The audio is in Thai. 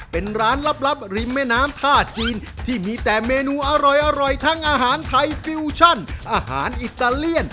เป็นร้านลับริมแม่น้ำท่าจีนที่มีแต่เมนูอร่อยทั้งอาหารไทยฟิวชั่นอาหารอิตาเลียน